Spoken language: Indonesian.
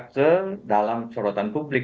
kedalam sorotan publik